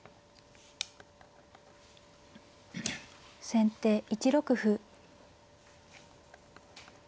先手１六歩。